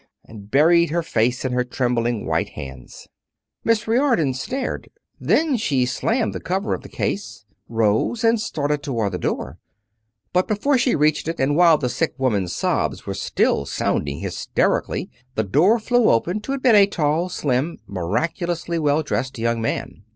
And buried her face in her trembling white hands. Miss Riordon stared. Then she slammed the cover of the case, rose, and started toward the door. But before she reached it, and while the sick woman's sobs were still sounding hysterically the door flew open to admit a tall, slim, miraculously well dressed young man.